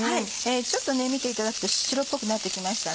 ちょっと見ていただくと白っぽくなってきましたね。